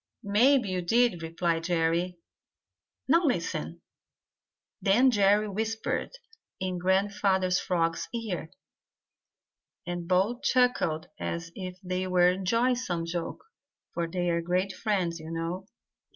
"Maybe you did," replied Jerry. "Now listen." Then Jerry whispered in Grandfather Frog's ear, and both chuckled as if they were enjoying some joke, for they are great friends, you know.